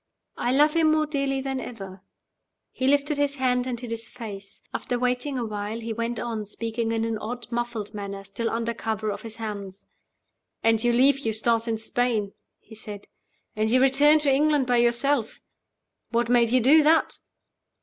"I love him more dearly than ever." He lifted his hands, and hid his face. After waiting a while, he went on, speaking in an odd, muffled manner, still under cover of his hands. "And you leave Eustace in Spain," he said; "and you return to England by yourself! What made you do that?"